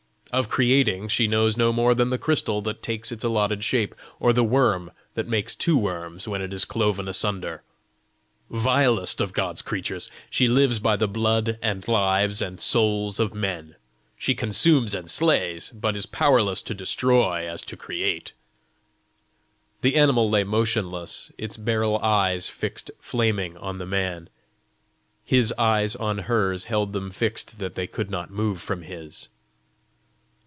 Of creating, she knows no more than the crystal that takes its allotted shape, or the worm that makes two worms when it is cloven asunder. Vilest of God's creatures, she lives by the blood and lives and souls of men. She consumes and slays, but is powerless to destroy as to create." The animal lay motionless, its beryl eyes fixed flaming on the man: his eyes on hers held them fixed that they could not move from his.